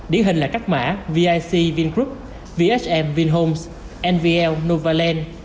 điển hình là các mã vic vingroup vhm vinhomes nvl novaland